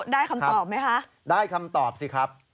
ได้คำตอบมั้ยคะครับได้คำตอบสิครับ